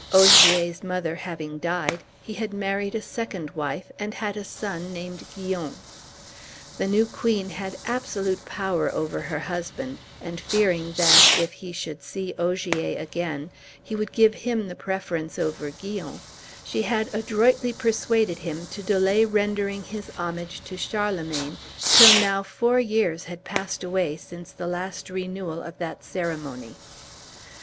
Ogier's mother having died, he had married a second wife, and had a son named Guyon. The new queen had absolute power over her husband, and fearing that, if he should see Ogier again, he would give him the preference over Guyon, she had adroitly persuaded him to delay rendering his homage to Charlemagne, till now four years had passed away since the last renewal of that ceremony.